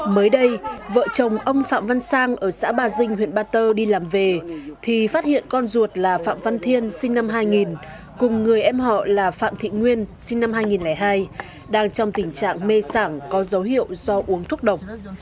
mới đây vợ chồng ông phạm văn sang ở xã ba dinh huyện ba tơ đi làm về thì phát hiện con ruột là phạm văn thiên sinh năm hai nghìn cùng người em họ là phạm thị nguyên sinh năm hai nghìn hai đang trong tình trạng mê sản có dấu hiệu do uống thuốc độc